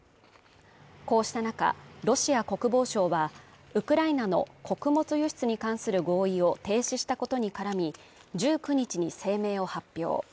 こうした中、ロシア国防省はウクライナの穀物輸出に関する合意を停止したことに絡み、１９日に声明を発表。